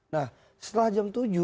nah setelah jam tujuh